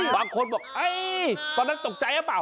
บางคนบอกตอนนั้นตกใจหรือเปล่า